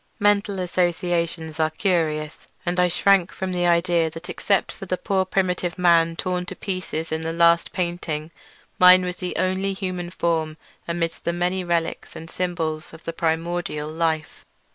Mental associations are curious, and I shrank from the idea that except for the poor primitive man torn to pieces in the last painting, mine was the only human form amidst the many relics and symbols of primordial life.